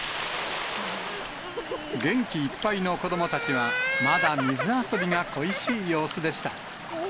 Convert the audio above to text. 元気いっぱいの子どもたちは、まだ水遊びが恋しい様子でした。